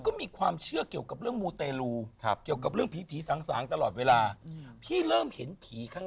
วันนี้เราจะคุยเรื่องความเชื่อที่ผู้หญิง